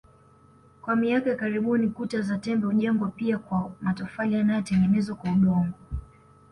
Kwa miaka ya karibuni kuta za tembe hujengwa pia kwa matofali yanayotengenezwa kwa udongo